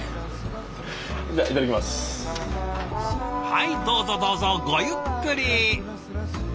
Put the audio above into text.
はいどうぞどうぞごゆっくり！